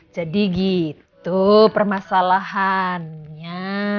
jadi gitu permasalahannya